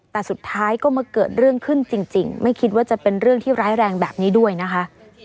แต่สุดท้ายก็มาเกิดเรื่องขึ้นจริงไม่คิดว่าจะเป็นเรื่องที่ร้ายแรงแบบนี้ด้วยนะคะ